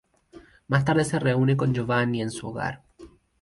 Más tarde se reúne con Giovanni en su hogar.